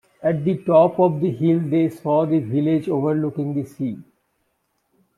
At the top of the hill they saw the village overlooking the sea.